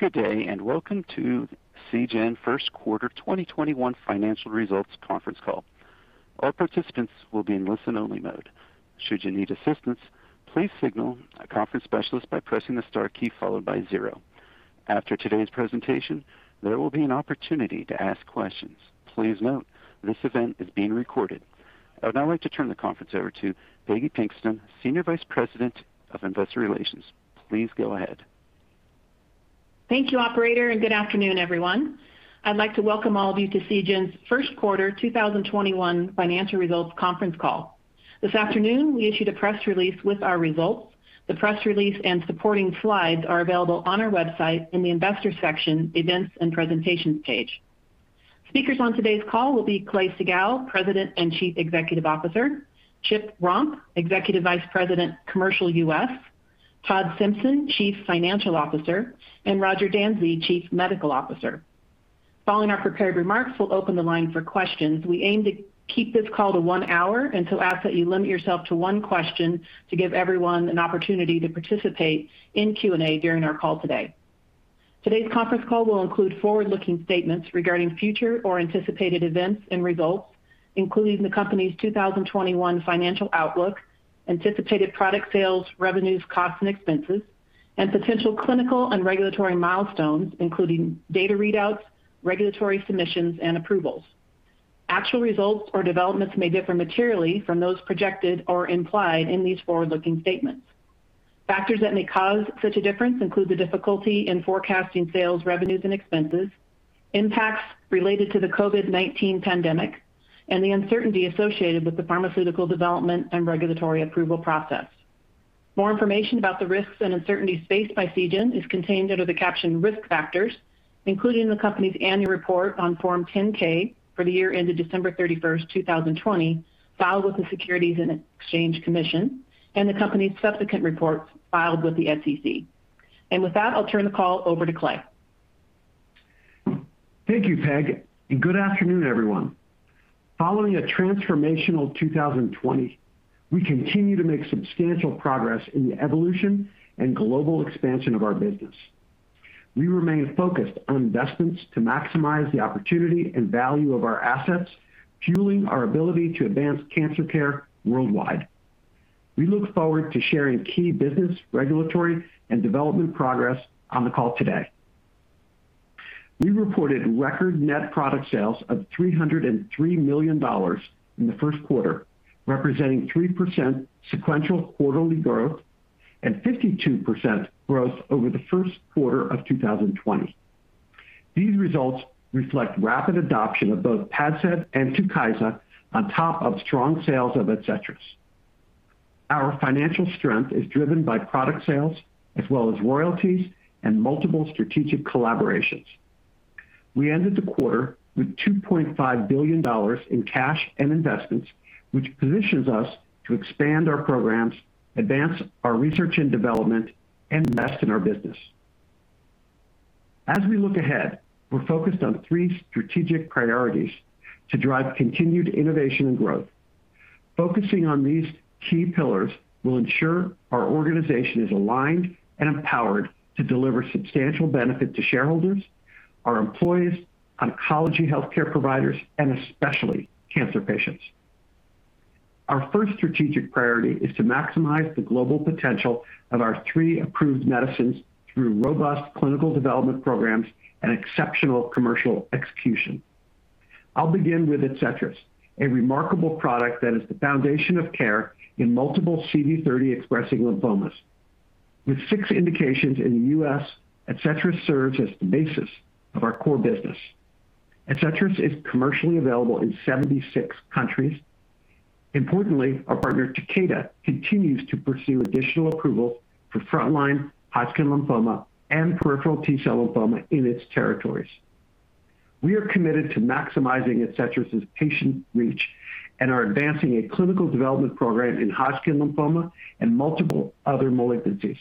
Good day, and welcome to Seagen first quarter 2021 financial results conference call. All participants will be in listen only mode. Should you need assistance, please signal a conference specialist by pressing the star key followed by zero. After today's presentation, there will be an opportunity to ask questions. Please note, this event is being recorded. I would now like to turn the conference over to Peggy Pinkston, Senior Vice President, Investor Relations. Please go ahead. Thank you operator. Good afternoon, everyone. I'd like to welcome all of you to Seagen's first quarter 2021 financial results conference call. This afternoon, we issued a press release with our results. The press release and supporting slides are available on our website in the investor section, events and presentations page. Speakers on today's call will be Clay Siegall, President and Chief Executive Officer, Chip Romp, Executive Vice President, Commercial U.S., Todd Simpson, Chief Financial Officer, and Roger Dansey, Chief Medical Officer. Following our prepared remarks, we'll open the line for questions. We aim to keep this call to one hour. We ask that you limit yourself to one question to give everyone an opportunity to participate in Q&A during our call today. Today's conference call will include forward-looking statements regarding future or anticipated events and results, including the company's 2021 financial outlook, anticipated product sales, revenues, costs, and expenses, and potential clinical and regulatory milestones, including data readouts, regulatory submissions, and approvals. Actual results or developments may differ materially from those projected or implied in these forward-looking statements. Factors that may cause such a difference include the difficulty in forecasting sales, revenues, and expenses, impacts related to the COVID-19 pandemic, and the uncertainty associated with the pharmaceutical development and regulatory approval process. More information about the risks and uncertainties faced by Seagen is contained under the caption risk factors, including the company's annual report on Form 10-K for the year ended December 31, 2020, filed with the Securities and Exchange Commission, and the company's subsequent reports filed with the SEC. With that, I'll turn the call over to Clay. Thank you, Pegg. Good afternoon, everyone. Following a transformational 2020, we continue to make substantial progress in the evolution and global expansion of our business. We remain focused on investments to maximize the opportunity and value of our assets, fueling our ability to advance cancer care worldwide. We look forward to sharing key business, regulatory, and development progress on the call today. We reported record net product sales of $303 million in the first quarter, representing 3% sequential quarterly growth and 52% growth over the first quarter of 2020. These results reflect rapid adoption of both PADCEV and TUKYSA on top of strong sales of ADCETRIS. Our financial strength is driven by product sales as well as royalties and multiple strategic collaborations. We ended the quarter with $2.5 billion in cash and investments, which positions us to expand our programs, advance our research and development, and invest in our business. As we look ahead, we're focused on three strategic priorities to drive continued innovation and growth. Focusing on these key pillars will ensure our organization is aligned and empowered to deliver substantial benefit to shareholders, our employees, oncology healthcare providers, and especially cancer patients. Our first strategic priority is to maximize the global potential of our three approved medicines through robust clinical development programs and exceptional commercial execution. I'll begin with ADCETRIS, a remarkable product that is the foundation of care in multiple CD30-expressing lymphomas. With six indications in the U.S., ADCETRIS serves as the basis of our core business. ADCETRIS is commercially available in 76 countries. Our partner, Takeda, continues to pursue additional approval for frontline Hodgkin lymphoma and peripheral T-cell lymphoma in its territories. We are committed to maximizing ADCETRIS' patient reach and are advancing a clinical development program in Hodgkin lymphoma and multiple other malignancies.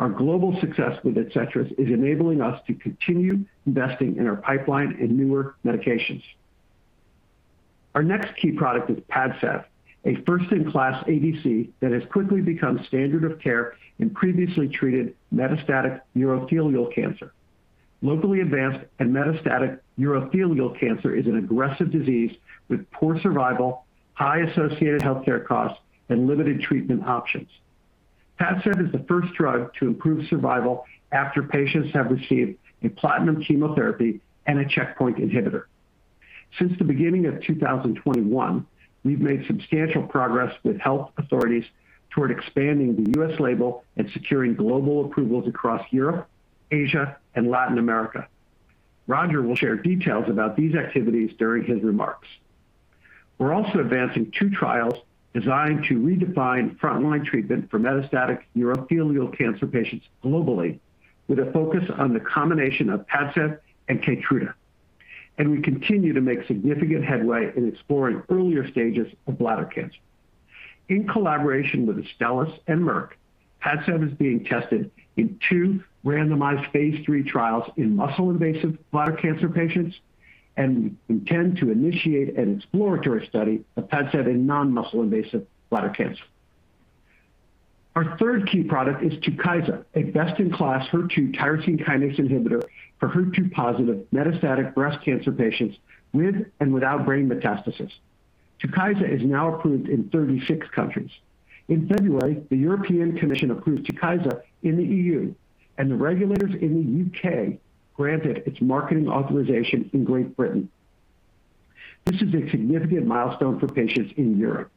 Our global success with ADCETRIS is enabling us to continue investing in our pipeline and newer medications. Our next key product is PADCEV, a first in class ADC that has quickly become standard of care in previously treated metastatic urothelial cancer. Locally advanced and metastatic urothelial cancer is an aggressive disease with poor survival, high associated healthcare costs, and limited treatment options. PADCEV is the first drug to improve survival after patients have received a platinum chemotherapy and a checkpoint inhibitor. Since the beginning of 2021, we've made substantial progress with health authorities toward expanding the U.S. label and securing global approvals across Europe, Asia, and Latin America. Roger will share details about these activities during his remarks. We're also advancing two trials designed to redefine frontline treatment for metastatic urothelial cancer patients globally with a focus on the combination of PADCEV and KEYTRUDA, and we continue to make significant headway in exploring earlier stages of bladder cancer. In collaboration with Astellas and Merck, PADCEV is being tested in two randomized phase III trials in muscle-invasive bladder cancer patients, and we intend to initiate an exploratory study of PADCEV in non-muscle invasive bladder cancer. Our third key product is TUKYSA, a best-in-class HER2 tyrosine kinase inhibitor for HER2-positive metastatic breast cancer patients with and without brain metastasis. TUKYSA is now approved in 36 countries. In February, the European Commission approved TUKYSA in the E.U., and the regulators in the U.K. granted its marketing authorization in Great Britain. This is a significant milestone for patients in Europe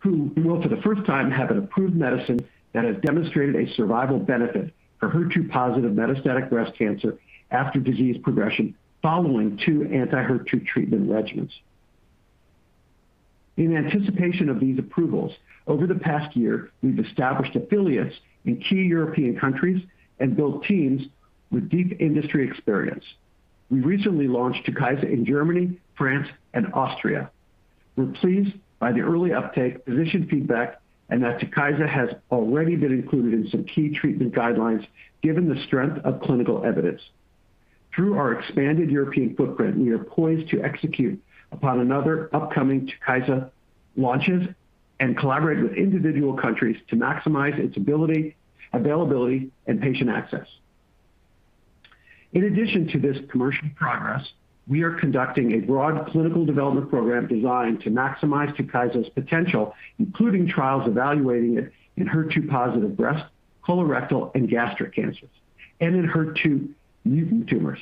who will, for the first time, have an approved medicine that has demonstrated a survival benefit for HER2-positive metastatic breast cancer after disease progression following two anti-HER2 treatment regimens. In anticipation of these approvals, over the past year, we've established affiliates in key European countries and built teams with deep industry experience. We recently launched TUKYSA in Germany, France, and Austria. We're pleased by the early uptake, physician feedback, and that TUKYSA has already been included in some key treatment guidelines, given the strength of clinical evidence. Through our expanded European footprint, we are poised to execute upon another upcoming TUKYSA launches and collaborate with individual countries to maximize its availability and patient access. In addition to this commercial progress, we are conducting a broad clinical development program designed to maximize TUKYSA's potential, including trials evaluating it in HER2-positive breast, colorectal, and gastric cancers, and in HER2 mutant tumors.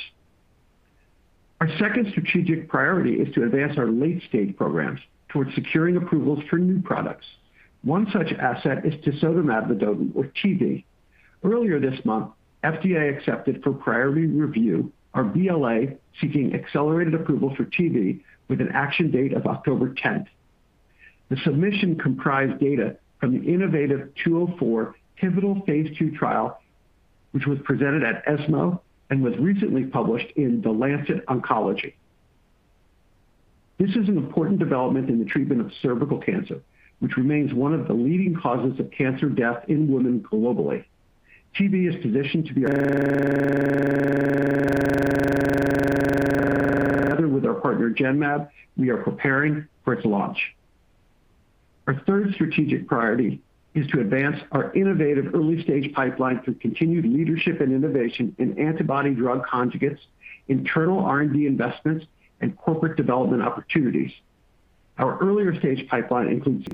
Our second strategic priority is to advance our late-stage programs towards securing approvals for new products. One such asset is tisotumab vedotin or TV. Earlier this month, FDA accepted for priority review our BLA seeking accelerated approval for TV with an action date of October 10th. The submission comprised data from the innovaTV 204 pivotal phase II trial, which was presented at ESMO and was recently published in "The Lancet Oncology." This is an important development in the treatment of cervical cancer, which remains one of the leading causes of cancer death in women globally. Together with our partner, Genmab, we are preparing for its launch. Our third strategic priority is to advance our innovative early-stage pipeline through continued leadership and innovation in antibody-drug conjugates, internal R&D investments, and corporate development opportunities. Our earlier-stage pipeline includes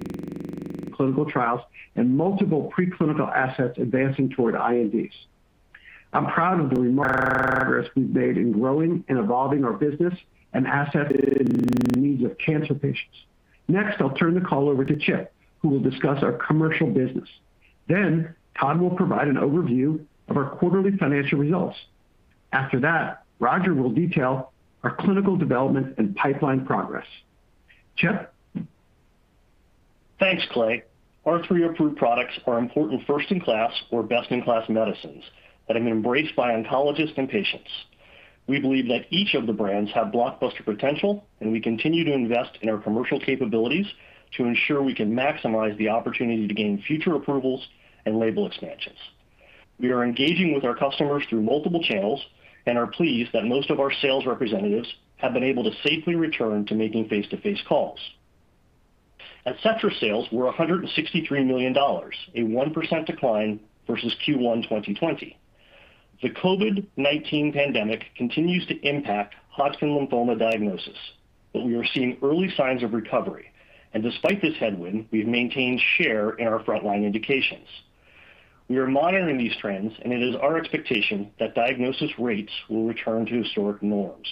clinical trials and multiple preclinical assets advancing toward INDs. I'm proud of the remarkable progress we've made in growing and evolving our business and asset cancer patients. I'll turn the call over to Chip, who will discuss our commercial business. Todd will provide an overview of our quarterly financial results. Roger will detail our clinical development and pipeline progress. Chip? Thanks, Clay. Our three approved products are important first-in-class or best-in-class medicines that have been embraced by oncologists and patients. We believe that each of the brands have blockbuster potential, and we continue to invest in our commercial capabilities to ensure we can maximize the opportunity to gain future approvals and label expansions. We are engaging with our customers through multiple channels and are pleased that most of our sales representatives have been able to safely return to making face-to-face calls. ADCETRIS sales were $163 million, a 1% decline versus Q1 2020. The COVID-19 pandemic continues to impact Hodgkin lymphoma diagnosis, but we are seeing early signs of recovery. Despite this headwind, we've maintained share in our frontline indications. We are monitoring these trends, and it is our expectation that diagnosis rates will return to historic norms.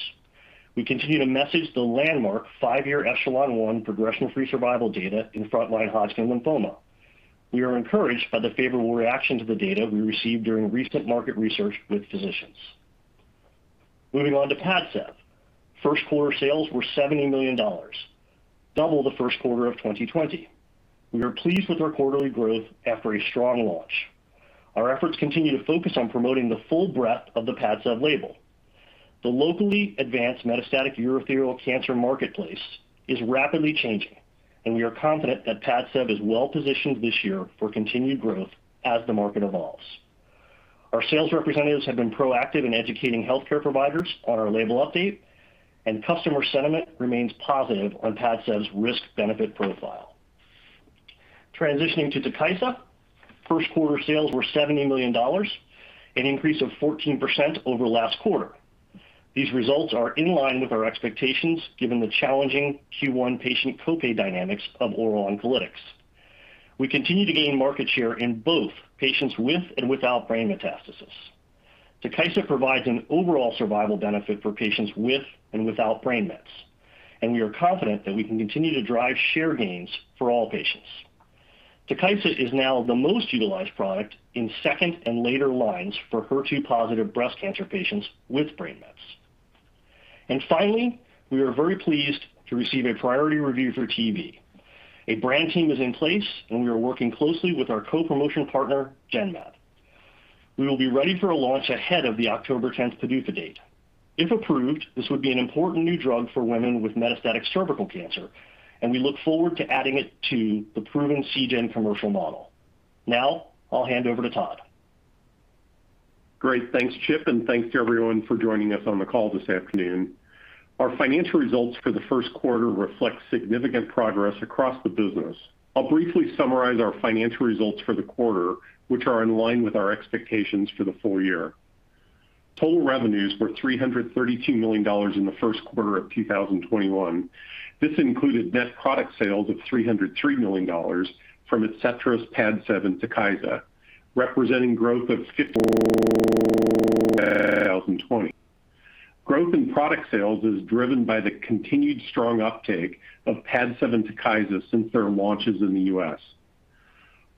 We continue to message the landmark five-year ECHELON-1 progression-free survival data in frontline Hodgkin lymphoma. We are encouraged by the favorable reaction to the data we received during recent market research with physicians. Moving on to PADCEV. First quarter sales were $70 million, double the first quarter of 2020. We are pleased with our quarterly growth after a strong launch. Our efforts continue to focus on promoting the full breadth of the PADCEV label. The locally advanced metastatic urothelial cancer marketplace is rapidly changing, and we are confident that PADCEV is well positioned this year for continued growth as the market evolves. Our sales representatives have been proactive in educating healthcare providers on our label update, and customer sentiment remains positive on PADCEV's risk-benefit profile. Transitioning to TUKYSA, first quarter sales were $70 million, an increase of 14% over last quarter. These results are in line with our expectations, given the challenging Q1 patient co-pay dynamics of oral oncolytics. We continue to gain market share in both patients with and without brain metastasis. TUKYSA provides an overall survival benefit for patients with and without brain mets, and we are confident that we can continue to drive share gains for all patients. TUKYSA is now the most utilized product in second and later lines for HER2-positive breast cancer patients with brain mets. Finally, we are very pleased to receive a priority review for TV. A brand team is in place, and we are working closely with our co-promotion partner, Genmab. We will be ready for a launch ahead of the October 10th PDUFA date. If approved, this would be an important new drug for women with metastatic cervical cancer, and we look forward to adding it to the proven Seagen commercial model. I'll hand over to Todd. Great. Thanks, Chip. Thanks to everyone for joining us on the call this afternoon. Our financial results for the first quarter reflect significant progress across the business. I'll briefly summarize our financial results for the quarter, which are in line with our expectations for the full year. Total revenues were $332 million in the first quarter of 2021. This included net product sales of $303 million from ADCETRIS, PADCEV, and TUKYSA, representing growth of 50% over the first quarter of 2020. Growth in product sales is driven by the continued strong uptake of PADCEV, TUKYSA, since their launches in the U.S.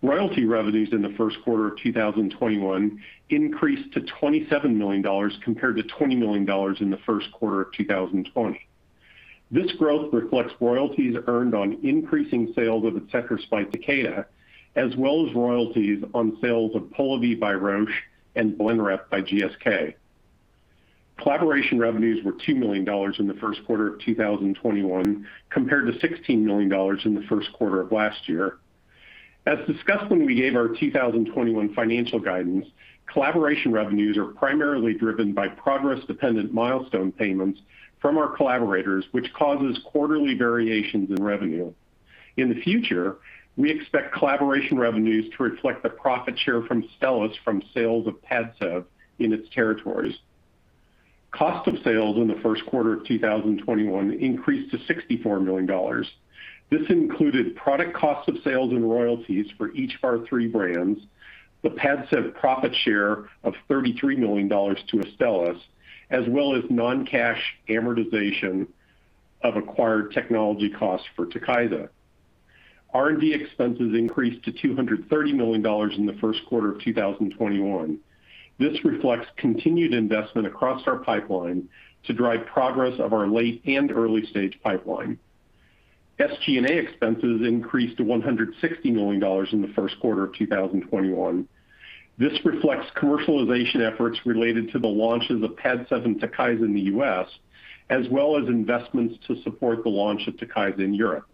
Royalty revenues in the first quarter of 2021 increased to $27 million compared to $20 million in the first quarter of 2020. This growth reflects royalties earned on increasing sales of ADCETRIS by Takeda, as well as royalties on sales of POLIVY by Roche and BLENREP by GSK. Collaboration revenues were $2 million in the first quarter of 2021, compared to $16 million in the first quarter of last year. As discussed when we gave our 2021 financial guidance, collaboration revenues are primarily driven by progress-dependent milestone payments from our collaborators, which causes quarterly variations in revenue. In the future, we expect collaboration revenues to reflect the profit share from Astellas from sales of PADCEV in its territories. Cost of sales in the first quarter of 2021 increased to $64 million. This included product cost of sales and royalties for each of our three brands, the PADCEV profit share of $33 million to Astellas, as well as non-cash amortization of acquired technology costs for TUKYSA. R&D expenses increased to $230 million in the first quarter of 2021. This reflects continued investment across our pipeline to drive progress of our late and early-stage pipeline. SG&A expenses increased to $160 million in the first quarter of 2021. This reflects commercialization efforts related to the launches of PADCEV, TUKYSA in the U.S., as well as investments to support the launch of TUKYSA in Europe.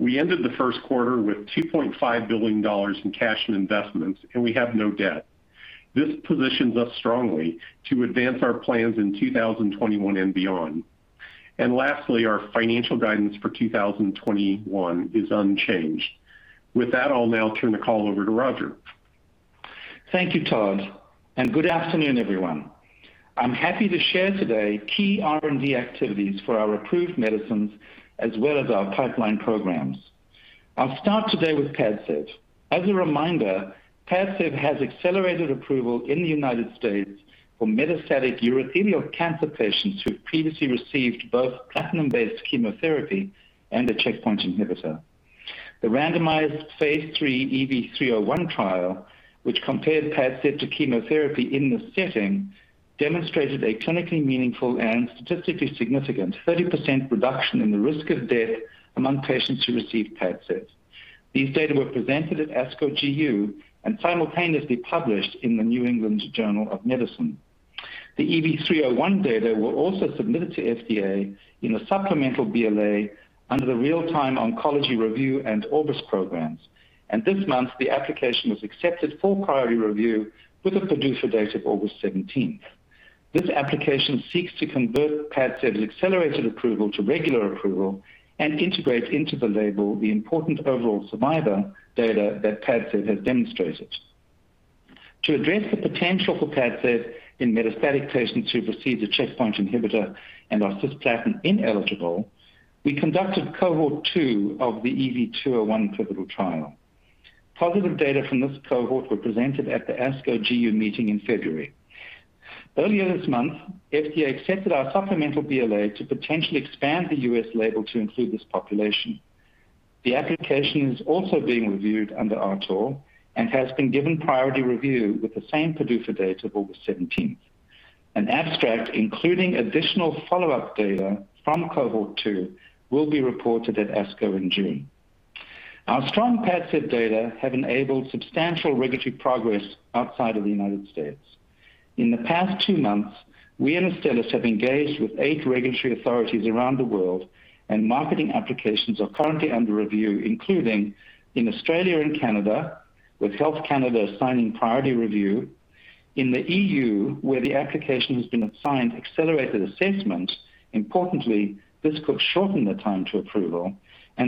We ended the first quarter with $2.5 billion in cash and investments, and we have no debt. This positions us strongly to advance our plans in 2021 and beyond. Lastly, our financial guidance for 2021 is unchanged. With that, I'll now turn the call over to Roger. Thank you, Todd. Good afternoon, everyone. I'm happy to share today key R&D activities for our approved medicines as well as our pipeline programs. I'll start today with PADCEV. As a reminder, PADCEV has accelerated approval in the U.S. for metastatic urothelial cancer patients who've previously received both platinum-based chemotherapy and a checkpoint inhibitor. The randomized phase III EV-301 trial, which compared PADCEV to chemotherapy in this setting, demonstrated a clinically meaningful and statistically significant 30% reduction in the risk of death among patients who received PADCEV. These data were presented at ASCO GU and simultaneously published in the "New England Journal of Medicine." The EV-301 data were also submitted to FDA in a supplemental BLA under the Real-Time Oncology Review and ORBIS programs. This month, the application was accepted for priority review with a PDUFA date of August 17th. This application seeks to convert PADCEV's accelerated approval to regular approval and integrate into the label the important overall survival data that PADCEV has demonstrated. To address the potential for PADCEV in metastatic patients who've received a checkpoint inhibitor and are cisplatin ineligible, we conducted Cohort 2 of the EV-201 pivotal trial. Positive data from this cohort were presented at the ASCO GU meeting in February. Earlier this month, FDA accepted our supplemental BLA to potentially expand the U.S. label to include this population. The application is also being reviewed under RTOR and has been given priority review with the same PDUFA date of August 17th. An abstract, including additional follow-up data from Cohort 2, will be reported at ASCO in June. Our strong PADCEV data have enabled substantial regulatory progress outside of the United States. In the past two months, we and Astellas have engaged with eight regulatory authorities around the world, and marketing applications are currently under review, including in Australia and Canada, with Health Canada assigning priority review, in the E.U., where the application has been assigned accelerated assessment. Importantly, this could shorten the time to approval.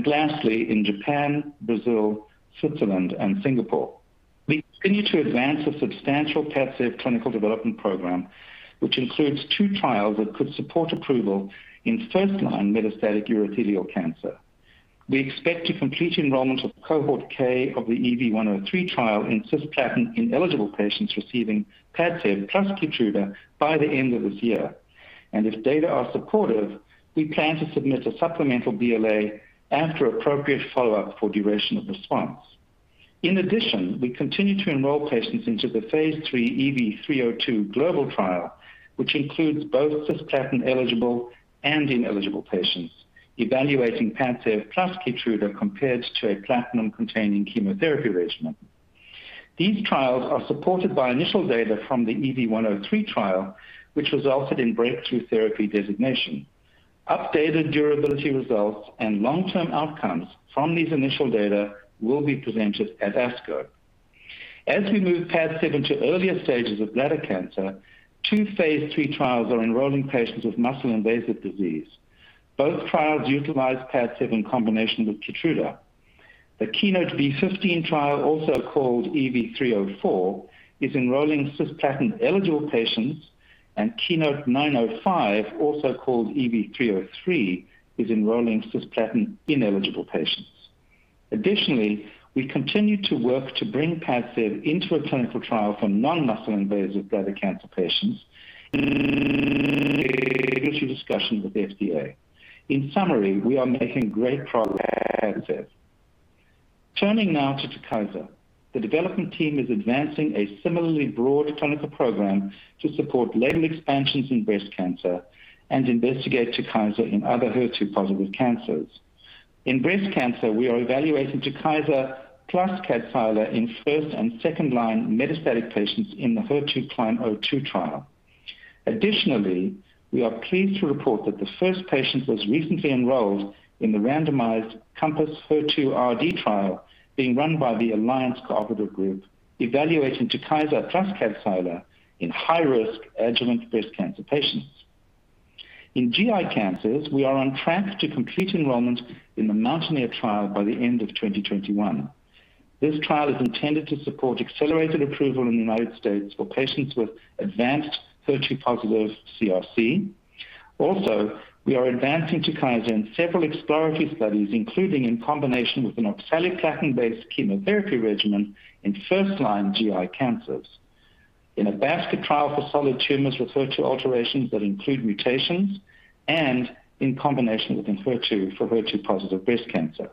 Lastly, in Japan, Brazil, Switzerland, and Singapore. We continue to advance a substantial PADCEV clinical development program, which includes two trials that could support approval in first-line metastatic urothelial cancer. We expect to complete enrollment of Cohort K of the EV-103 trial in cisplatin-ineligible patients receiving PADCEV plus KEYTRUDA by the end of this year. If data are supportive, we plan to submit a sBLA after appropriate follow-up for duration of response. In addition, we continue to enroll patients into the phase III EV-302 global trial, which includes both cisplatin-eligible and ineligible patients, evaluating PADCEV plus KEYTRUDA compared to a platinum-containing chemotherapy regimen. These trials are supported by initial data from the EV-103 trial, which resulted in breakthrough therapy designation. Updated durability results and long-term outcomes from these initial data will be presented at ASCO. As we move PADCEV to earlier stages of bladder cancer, two phase III trials are enrolling patients with muscle-invasive disease. Both trials utilize PADCEV in combination with KEYTRUDA. The KEYNOTE-B15 trial, also called EV-304, is enrolling cisplatin-eligible patients, and KEYNOTE-905, also called EV-303, is enrolling cisplatin-ineligible patients. Additionally, we continue to work to bring PADCEV into a clinical trial for non-muscle invasive bladder cancer patients. Regulatory discussions with the FDA. In summary, we are making great progress with PADCEV. Turning now to TUKYSA. The development team is advancing a similarly broad clinical program to support label expansions in breast cancer and investigate TUKYSA in other HER2-positive cancers. In breast cancer, we are evaluating TUKYSA plus KADCYLA in first- and second-line metastatic patients in the HER2CLIMB-02 trial. Additionally, we are pleased to report that the first patient was recently enrolled in the randomized CompassHER2 RD trial being run by the Alliance Cooperative Group evaluating TUKYSA plus KADCYLA in high-risk adjuvant breast cancer patients. In GI cancers, we are on track to complete enrollment in the MOUNTAINEER trial by the end of 2021. This trial is intended to support accelerated approval in the U.S. for patients with advanced HER2-positive CRC. We are advancing TUKYSA in several exploratory studies, including in combination with an oxaliplatin-based chemotherapy regimen in first-line GI cancers. In a basket trial for solid tumors with HER2 alterations that include mutations and in combination with ENHERTU for HER2-positive breast cancer.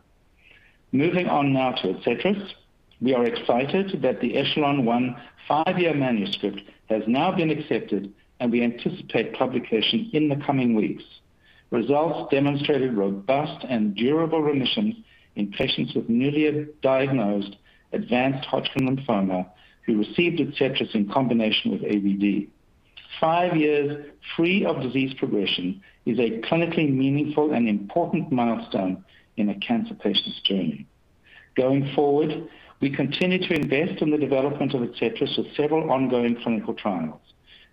Moving on now to ADCETRIS. We are excited that the ECHELON-1 five-year manuscript has now been accepted, and we anticipate publication in the coming weeks. Results demonstrated robust and durable remissions in patients with newly diagnosed advanced Hodgkin lymphoma who received ADCETRIS in combination with AVD. Five years free of disease progression is a clinically meaningful and important milestone in a cancer patient's journey. Going forward, we continue to invest in the development of ADCETRIS with several ongoing clinical trials.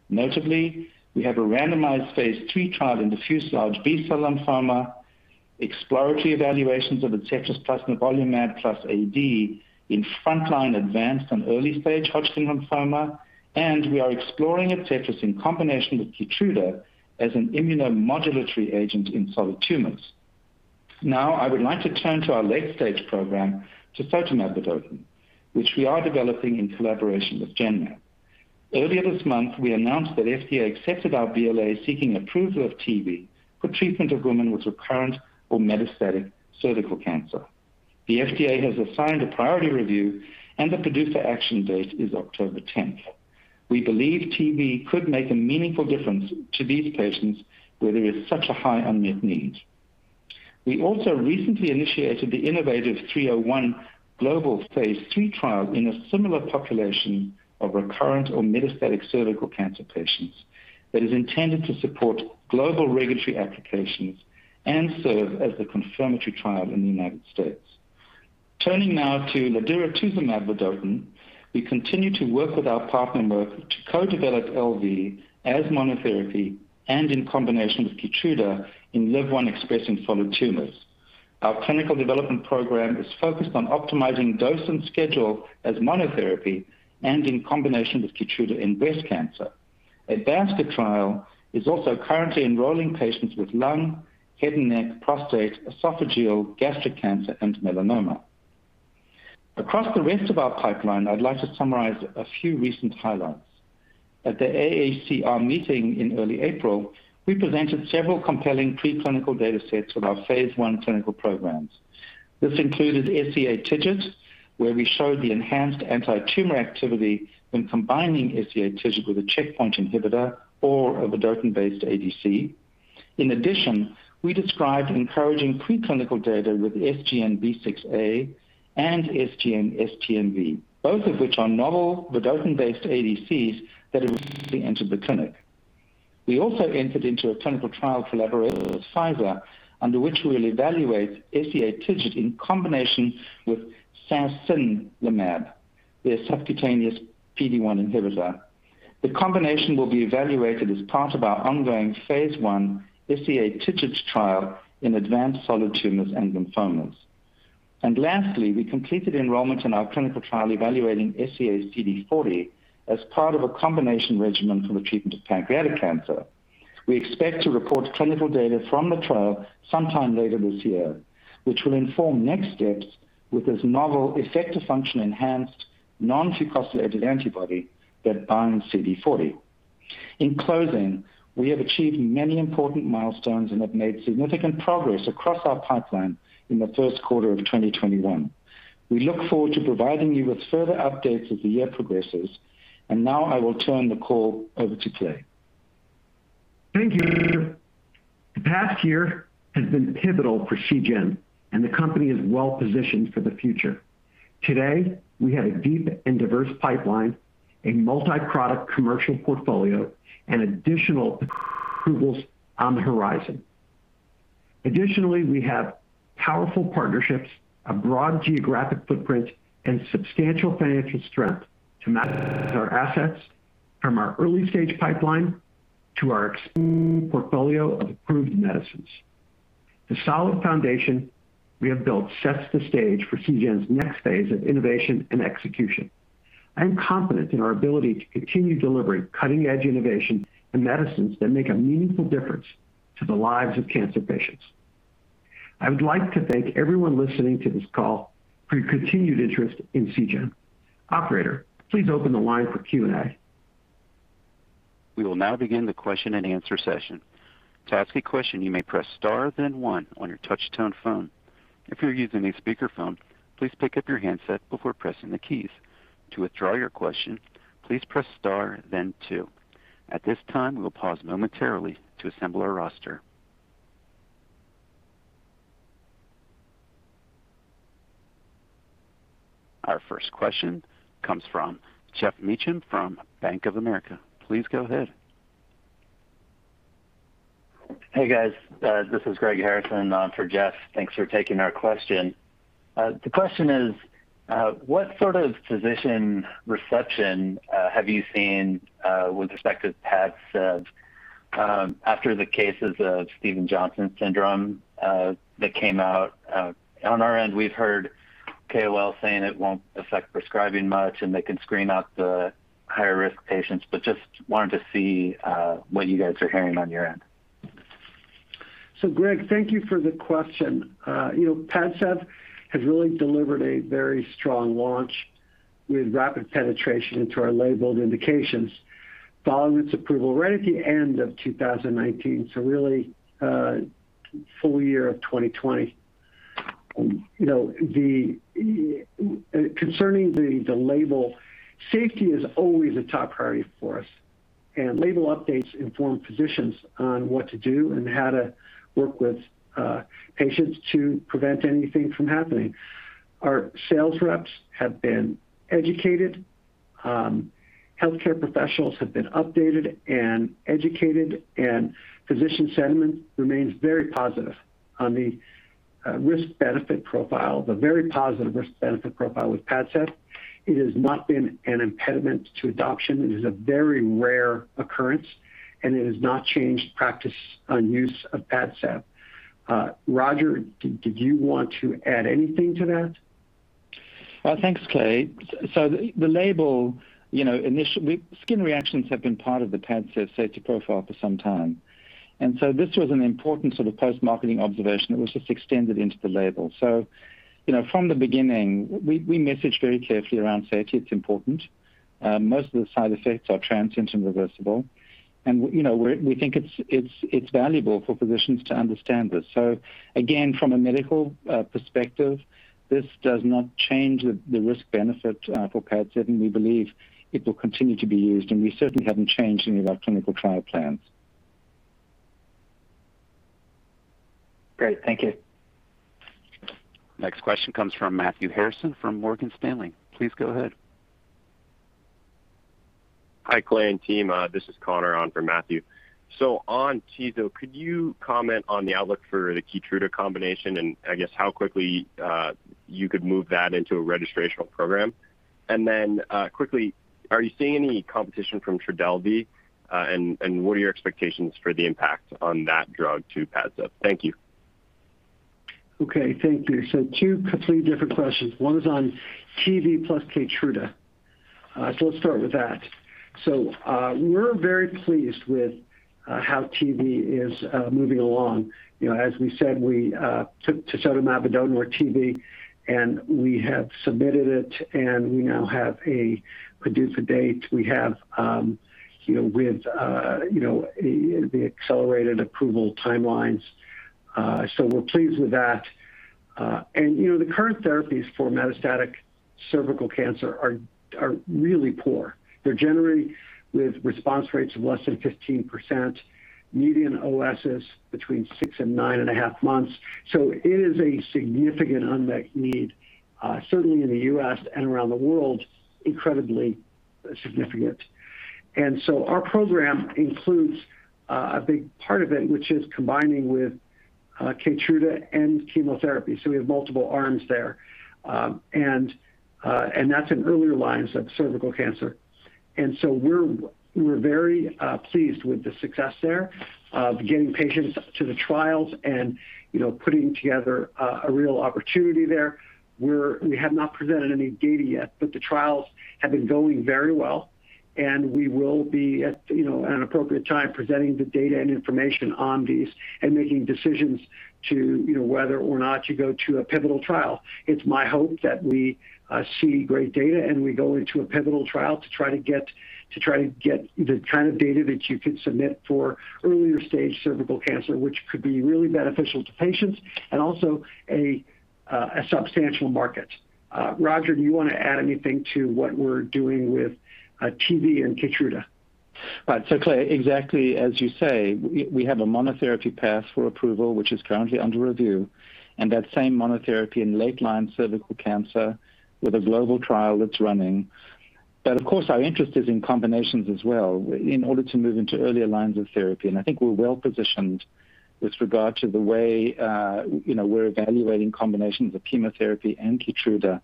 Notably, we have a randomized phase III trial in diffuse large B-cell lymphoma, exploratory evaluations of ADCETRIS plus nivolumab plus AVD in frontline advanced and early-stage Hodgkin lymphoma, and we are exploring ADCETRIS in combination with KEYTRUDA as an immunomodulatory agent in solid tumors. I would like to turn to our late-stage program, tisotumab vedotin, which we are developing in collaboration with Genmab. Earlier this month, we announced that FDA accepted our BLA seeking approval of TV for treatment of women with recurrent or metastatic cervical cancer. The FDA has assigned a priority review, and the PDUFA action date is October 10th. We believe TV could make a meaningful difference to these patients where there is such a high unmet need. We also recently initiated the innovaTV 301 global phase III trial in a similar population of recurrent or metastatic cervical cancer patients that is intended to support global regulatory applications and serve as the confirmatory trial in the United States. Turning now to ladiratuzumab vedotin. We continue to work with our partner Merck to co-develop LV as monotherapy and in combination with KEYTRUDA in LIV-1 expressing solid tumors. Our clinical development program is focused on optimizing dose and schedule as monotherapy and in combination with KEYTRUDA in breast cancer. A basket trial is also currently enrolling patients with lung, head and neck, prostate, esophageal, gastric cancer, and melanoma. Across the rest of our pipeline, I'd like to summarize a few recent highlights. At the American Association for Cancer Research meeting in early April, we presented several compelling preclinical data sets of our phase I clinical programs. This included SEA-TIGIT, where we showed the enhanced anti-tumor activity when combining SEA-TIGIT with a checkpoint inhibitor or a vedotin-based ADC. In addition, we described encouraging preclinical data with SGN-B6A and SGN-STNV, both of which are novel vedotin-based ADCs that have recently entered the clinic. We also entered into a clinical trial collaboration with Pfizer, under which we'll evaluate SEA-TIGIT in combination with sasanlimab, their subcutaneous PD-1 inhibitor. The combination will be evaluated as part of our ongoing phase I SEA-TIGIT trial in advanced solid tumors and lymphomas. Lastly, we completed enrollment in our clinical trial evaluating SEA-CD40 as part of a combination regimen for the treatment of pancreatic cancer. We expect to report clinical data from the trial sometime later this year, which will inform next steps with this novel effector function enhanced non-fucosylated antibody that binds CD40. In closing, we have achieved many important milestones and have made significant progress across our pipeline in the first quarter of 2021. We look forward to providing you with further updates as the year progresses. Now I will turn the call over to Clay. Thank you. The past year has been pivotal for Seagen, and the company is well positioned for the future. Today, we have a deep and diverse pipeline, a multi-product commercial portfolio, and additional approvals on the horizon. Additionally, we have powerful partnerships, a broad geographic footprint, and substantial financial strength to maximize our assets from our early-stage pipeline to our expanding portfolio of approved medicines. The solid foundation we have built sets the stage for Seagen's next phase of innovation and execution. I am confident in our ability to continue delivering cutting-edge innovation and medicines that make a meaningful difference to the lives of cancer patients. I would like to thank everyone listening to this call for your continued interest in Seagen. Operator, please open the line for Q&A. We will now begin the question-and-answer session. Our first question comes from Geoff Meacham from Bank of America. Please go ahead. Hey, guys. This is Greg Harrison for Geoff. Thanks for taking our question. The question is, what sort of physician reception have you seen with respect to PADCEV after the cases of Stevens-Johnson syndrome that came out? On our end, we've heard KOL saying it won't affect prescribing much, and they can screen out the higher-risk patients, but just wanted to see what you guys are hearing on your end. Greg, thank you for the question. PADCEV has really delivered a very strong launch with rapid penetration into our labeled indications following its approval right at the end of 2019. Really, full year of 2020. Concerning the label, safety is always a top priority for us, and label updates inform physicians on what to do and how to work with patients to prevent anything from happening. Our sales reps have been educated. Healthcare professionals have been updated and educated, and physician sentiment remains very positive on the risk-benefit profile, the very positive risk-benefit profile with PADCEV. It has not been an impediment to adoption. It is a very rare occurrence, and it has not changed practice on use of PADCEV. Roger, did you want to add anything to that? Thanks, Clay. The label, skin reactions have been part of the PADCEV safety profile for some time, this was an important sort of post-marketing observation that was just extended into the label. From the beginning, we messaged very carefully around safety. It's important. Most of the side effects are transient and reversible. We think it's valuable for physicians to understand this. Again, from a medical perspective, this does not change the risk-benefit for PADCEV, and we believe it will continue to be used, and we certainly haven't changed any of our clinical trial plans. Great. Thank you. Next question comes from Matthew Harrison from Morgan Stanley. Please go ahead. Hi, Clay and team. This is Connor on for Matthew. On tiso, could you comment on the outlook for the KEYTRUDA combination and I guess how quickly you could move that into a registrational program? Quickly, are you seeing any competition from TRODELVY? What are your expectations for the impact on that drug to PADCEV? Thank you. Thank you. Two completely different questions. One was on TV plus KEYTRUDA. Let's start with that. We're very pleased with how TV is moving along. As we said, we took tisotumab vedotin or TV, and we have submitted it, and we now have a PDUFA date. We have the accelerated approval timelines. We're pleased with that. The current therapies for metastatic cervical cancer are really poor. They're generally with response rates of less than 15%, median OS between 6 and 9.5 months. It is a significant unmet need, certainly in the U.S. and around the world, incredibly significant. Our program includes a big part of it, which is combining with KEYTRUDA and chemotherapy. We have multiple arms there. That's in earlier lines of cervical cancer. We're very pleased with the success there, of getting patients to the trials and putting together a real opportunity there. We have not presented any data yet, but the trials have been going very well, and we will be at an appropriate time presenting the data and information on these and making decisions to whether or not to go to a pivotal trial. It's my hope that we see great data and we go into a pivotal trial to try to get the kind of data that you could submit for earlier stage cervical cancer, which could be really beneficial to patients and also a substantial market. Roger, do you want to add anything to what we're doing with TV and KEYTRUDA? Right. Clay, exactly as you say, we have a monotherapy path for approval, which is currently under review, and that same monotherapy in late-line cervical cancer with a global trial that's running. Of course, our interest is in combinations as well in order to move into earlier lines of therapy, and I think we're well-positioned with regard to the way we're evaluating combinations of chemotherapy and KEYTRUDA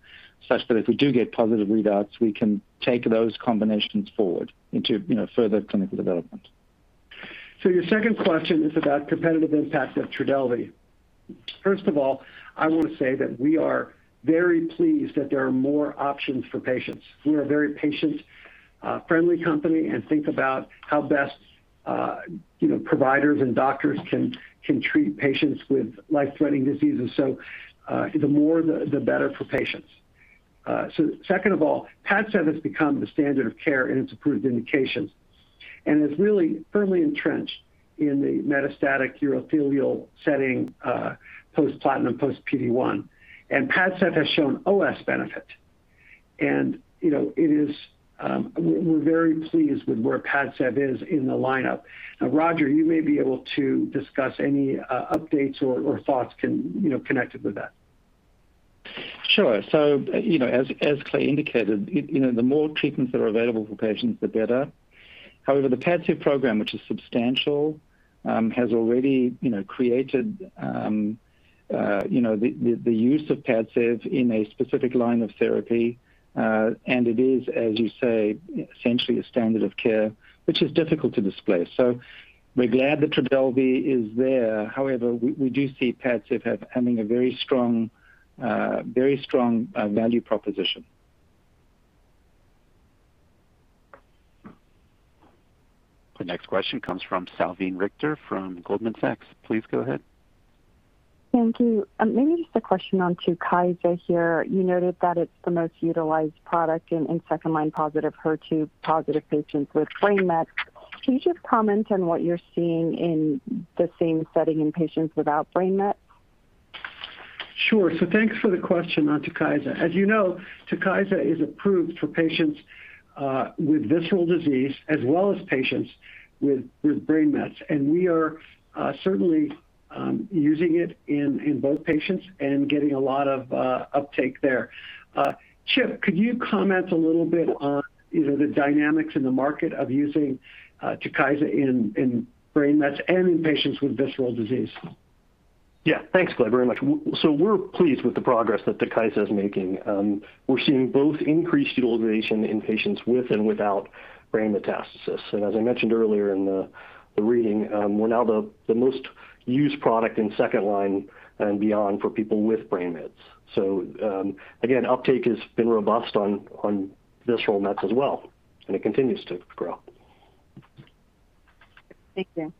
such that if we do get positive readouts, we can take those combinations forward into further clinical development. Your second question is about competitive impact of TRODELVY. First of all, I want to say that we are very pleased that there are more options for patients. We are a very patient-friendly company and think about how best providers and doctors can treat patients with life-threatening diseases. The more, the better for patients. Second of all, PADCEV has become the standard of care in its approved indications and is really firmly entrenched in the metastatic urothelial setting, post platinum, post PD-1. PADCEV has shown OS benefit. We're very pleased with where PADCEV is in the lineup. Roger, you may be able to discuss any updates or thoughts connected with that. Sure. As Clay Siegall indicated, the more treatments that are available for patients, the better. However, the PADCEV program, which is substantial, has already created the use of PADCEV in a specific line of therapy. It is, as you say, essentially a standard of care, which is difficult to displace. We're glad that TRODELVY is there. However, we do see PADCEV having a very strong value proposition. The next question comes from Salveen Richter from Goldman Sachs. Please go ahead. Thank you. Just a question on TUKYSA here. You noted that it's the most utilized product in second-line HER2-positive patients with brain mets. Can you just comment on what you're seeing in the same setting in patients without brain mets? Sure. Thanks for the question on TUKYSA. As you know, TUKYSA is approved for patients with visceral disease as well as patients with brain mets, and we are certainly using it in both patients and getting a lot of uptake there. Chip, could you comment a little bit on the dynamics in the market of using TUKYSA in brain mets and in patients with visceral disease? Thanks, Clay, very much. We're pleased with the progress that TUKYSA is making. We're seeing both increased utilization in patients with and without brain metastasis. As I mentioned earlier in the reading, we're now the most used product in second-line and beyond for people with brain mets. Again, uptake has been robust on visceral mets as well, and it continues to grow. Thank you.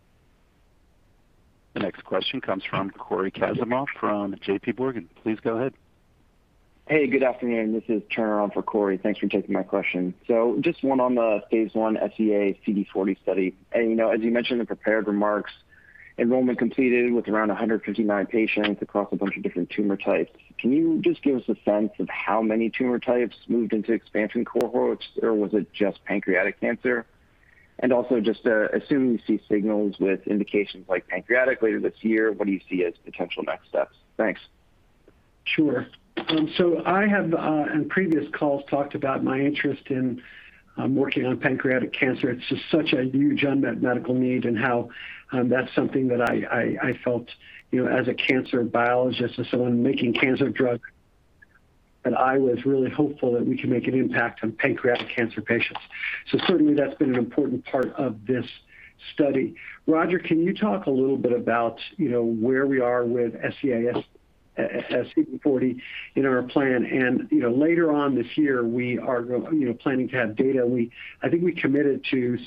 The next question comes from Cory Kasimov from JPMorgan. Please go ahead. Hey, good afternoon. This is Turner on for Corey. Thanks for taking my question. Just one on the phase I SEA-CD40 study. As you mentioned in prepared remarks, enrollment completed with around 159 patients across a bunch of different tumor types. Can you just give us a sense of how many tumor types moved into expansion cohorts, or was it just pancreatic cancer? Also, just assume you see signals with indications like pancreatic later this year, what do you see as potential next steps? Thanks. Sure. I have, in previous calls, talked about my interest in working on pancreatic cancer. It's just such a huge unmet medical need and how that's something that I felt as a cancer biologist and someone making cancer drug, that I was really hopeful that we can make an impact on pancreatic cancer patients. Certainly, that's been an important part of this study. Roger, can you talk a little bit about where we are with SEA-CD40 in our plan? Later on this year, we are planning to have data. I think we committed to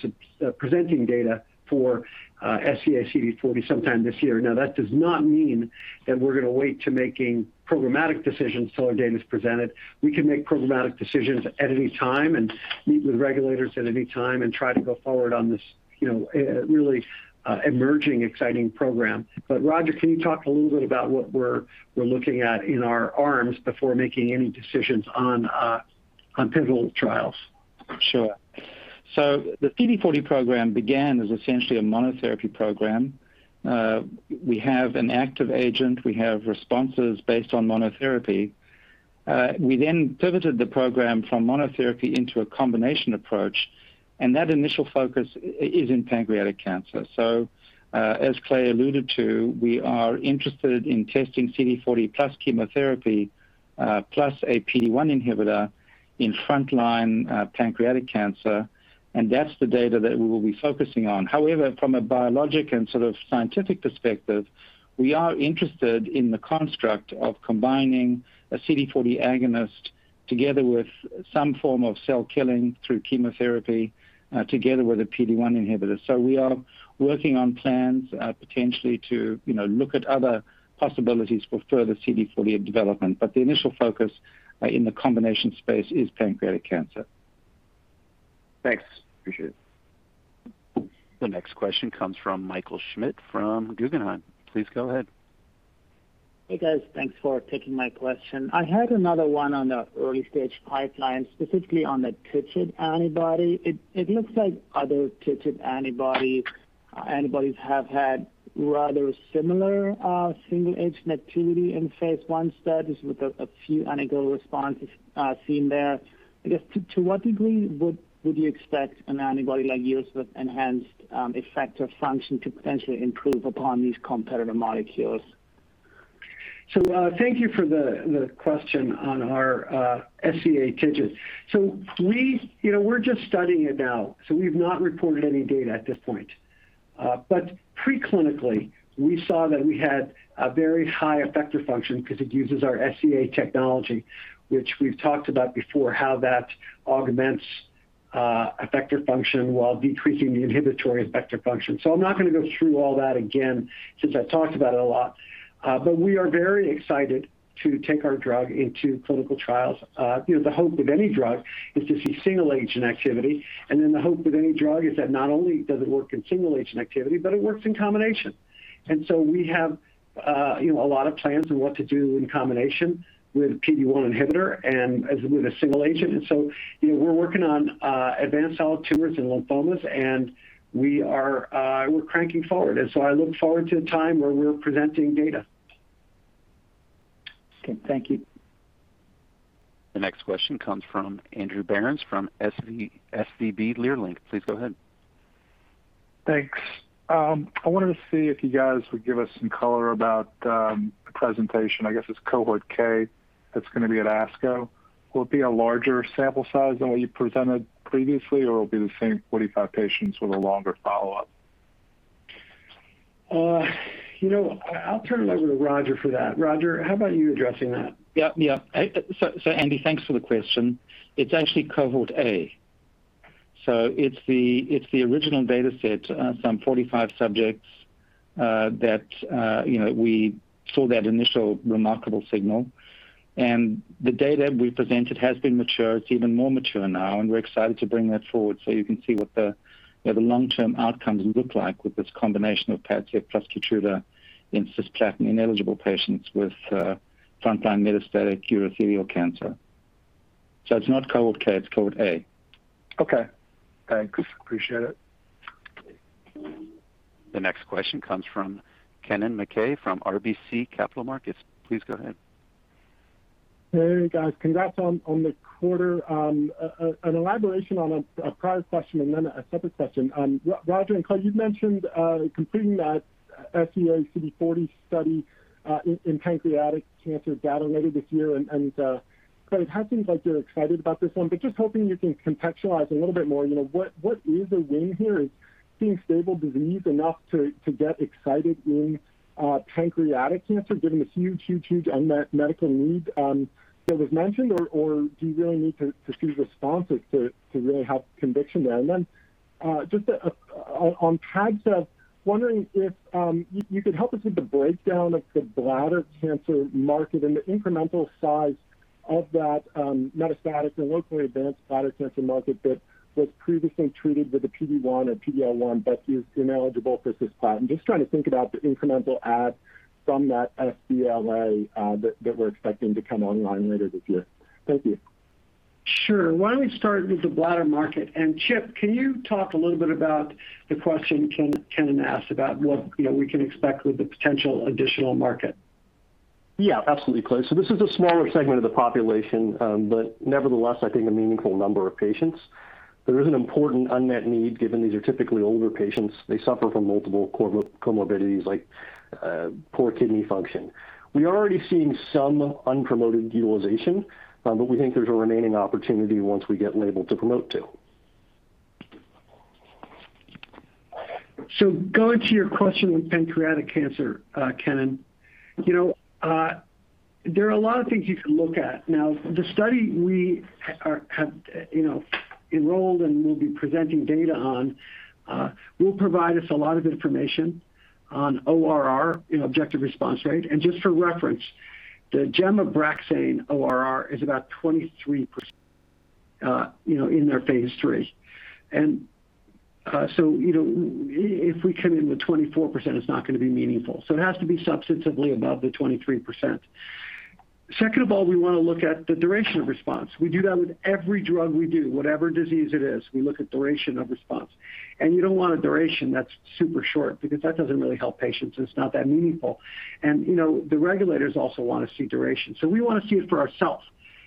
presenting data for SEA-CD40 sometime this year. That does not mean that we're going to wait to making programmatic decisions till our data is presented. We can make programmatic decisions at any time and meet with regulators at any time and try to go forward on this really emerging, exciting program. Roger, can you talk a little bit about what we're looking at in our arms before making any decisions on pivotal trials? Sure. The CD40 program began as essentially a monotherapy program. We have an active agent. We have responses based on monotherapy. We then pivoted the program from monotherapy into a combination approach, and that initial focus is in pancreatic cancer. As Clay alluded to, we are interested in testing CD40 plus chemotherapy, plus a PD-1 inhibitor in frontline pancreatic cancer, and that's the data that we will be focusing on. However, from a biologic and sort of scientific perspective, we are interested in the construct of combining a CD40 agonist together with some form of cell killing through chemotherapy, together with a PD-1 inhibitor. We are working on plans, potentially to look at other possibilities for further CD40 development. The initial focus in the combination space is pancreatic cancer. Thanks. Appreciate it. The next question comes from Michael Schmidt from Guggenheim. Please go ahead. Hey, guys. Thanks for taking my question. I had another one on the early-stage pipeline, specifically on the TIGIT antibody. It looks like other TIGIT antibodies have had rather similar single-agent activity in phase I studies with a few anecdotally responses seen there. I guess, to what degree would you expect an antibody like yours with enhanced effector function to potentially improve upon these competitor molecules? Thank you for the question on our SEA-TIGIT. We're just studying it now, so we've not reported any data at this point. Pre-clinically, we saw that we had a very high effector function because it uses our SEA technology. Which we've talked about before, how that augments effector function while decreasing the inhibitory effector function. I'm not going to go through all that again since I've talked about it a lot. We are very excited to take our drug into clinical trials. The hope with any drug is to see single-agent activity, and then the hope with any drug is that not only does it work in single-agent activity, but it works in combination. We have a lot of plans on what to do in combination with PD-1 inhibitor and as with a single agent. We're working on advanced solid tumors and lymphomas, and we're cranking forward. I look forward to a time where we're presenting data. Okay. Thank you. The next question comes from Andrew Berens from SVB Leerink. Please go ahead. Thanks. I wanted to see if you guys would give us some color about the presentation, I guess it's Cohort K, that's going to be at ASCO. Will it be a larger sample size than what you presented previously, or it'll be the same 45 patients with a longer follow-up? I'll turn it over to Roger for that. Roger, how about you addressing that? Yep. Andy, thanks for the question. It's actually Cohort A. It's the original data set, some 45 subjects, that we saw that initial remarkable signal. The data we presented has been mature. It's even more mature now, and we're excited to bring that forward so you can see what the long-term outcomes look like with this combination of PADCEV plus KEYTRUDA in cisplatin-ineligible patients with frontline metastatic urothelial cancer. It's not Cohort K, it's Cohort A. Okay. Thanks. Appreciate it. The next question comes from Kennen MacKay from RBC Capital Markets. Please go ahead. Hey, guys. Congrats on the quarter. An elaboration on a prior question and then a separate question. Roger Dansey and Clay Siegall, you'd mentioned completing that SEA-CD40 study in pancreatic cancer data later this year. Clay Siegall, it had seemed like you're excited about this one, but just hoping you can contextualize a little bit more, what is the win here? Is seeing stable disease enough to get excited in pancreatic cancer, given the huge unmet medical need that was mentioned, or do you really need to see responses to really have conviction there? Then just on PADCEV, wondering if you could help us with the breakdown of the bladder cancer market and the incremental size of that metastatic and locally advanced bladder cancer market that was previously treated with a PD-1 or PD-L1 but is ineligible for cisplatin. Just trying to think about the incremental add from that sBLA that we're expecting to come online later this year. Thank you. Sure. Why don't we start with the bladder market? Chip, can you talk a little bit about the question Kennen asked about what we can expect with the potential additional market? Yeah, absolutely, Clay. This is a smaller segment of the population. Nevertheless, I think a meaningful number of patients. There is an important unmet need given these are typically older patients. They suffer from multiple comorbidities like poor kidney function. We are already seeing some unpromoted utilization, but we think there's a remaining opportunity once we get labeled to promote to. Going to your question with pancreatic cancer, Kennen. There are a lot of things you can look at. Now, the study we have enrolled and will be presenting data on will provide us a lot of information on ORR, objective response rate. Just for reference, the gemcitabine ABRAXANE ORR is about 23% in their phase III. If we come in with 24%, it's not going to be meaningful. It has to be substantively above the 23%. Second of all, we want to look at the duration of response. We do that with every drug we do. Whatever disease it is, we look at duration of response. You don't want a duration that's super short because that doesn't really help patients, and it's not that meaningful. The regulators also want to see duration. We want to see it for ourselves